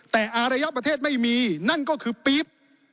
แต่อารยะประเทศไม่มีนั่นก็คือปี๊บ